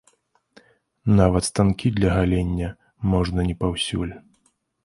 Нават станкі для галення можна не паўсюль.